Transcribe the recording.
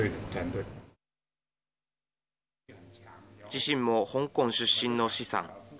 自身も香港出身の施さん。